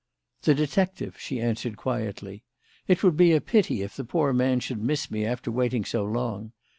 "The detective," she answered quietly. "It would be a pity if the poor man should miss me after waiting so long.